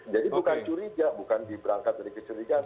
jadi bukan curiga bukan diberangkat dari kecurigaan